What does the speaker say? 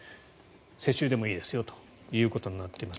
世襲でもいいですよということになっています。